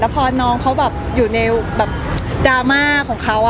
พอน้องเขาอยู่ในดราม่ากของเค้า